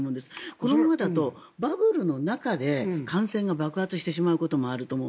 このままだとバブルの中で感染が爆発してしまうこともあると思う。